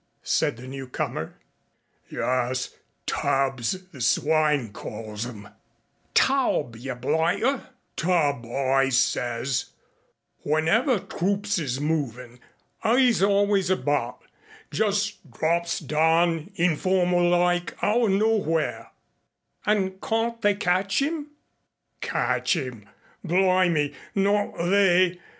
said the newcomer. "Yus. Tubs the swine calls 'em " "Tawb, yer blighter." "Tub, I says. Whenever troops is moving', 'e's always abaht jus' drops dahn hinformal like, out o' nowhere " "And cawn't they catch 'im?" "Catch 'im ? Bly me not they!